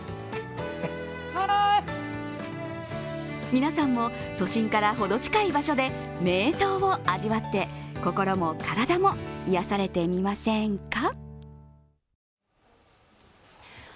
皆さんも都心から程近い場所で名湯を味わって心も体も癒やされてみませんか？